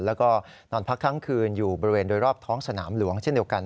และก็นอนพักค้างคืนอยู่บริเวณโดยรอบท้องสนามหลวง